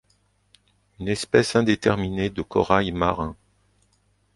Une espèce indéterminée de corail marin.